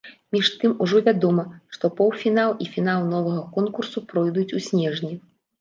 Між тым, ужо вядома, што паўфінал і фінал новага конкурсу пройдуць у снежні.